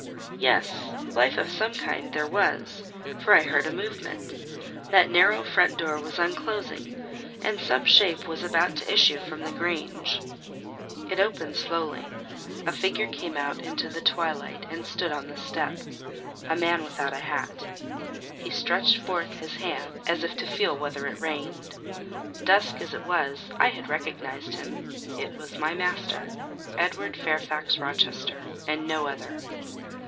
Yes, life of some kind there was; for I heard a movement—that narrow front door was unclosing, and some shape was about to issue from the grange. It opened slowly: a figure came out into the twilight and stood on the step; a man without a hat: he stretched forth his hand as if to feel whether it rained. Dusk as it was, I had recognised him—it was my master, Edward Fairfax Rochester, and no other.